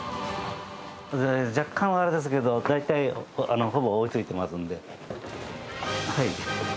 若干はあれですけど、大体ほぼ追いついてますんで。